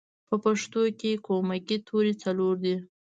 په پښتو کې کومکی توری څلور دی